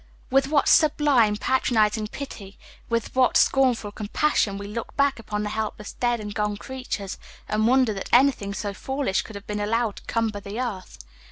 With what sublime, patronizing pity, with what scornful compassion, we look back upon the helpless dead and gone creatures, and wonder that anything so foolish could have been allowed to cumber the earth!